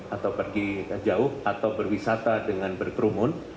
atau pergi jauh atau berwisata dengan berkerumun